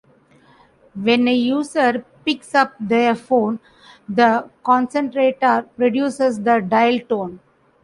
When a user picks up their phone, the concentrator produces the dial tone.